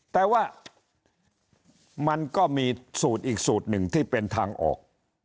แต่ว่ามันก็มีสูตรอีกสูตรหนึ่งที่เป็นทางออก